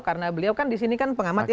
karena beliau kan disini kan pengamat ya